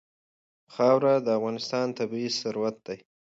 خاوره د افغانستان طبعي ثروت دی.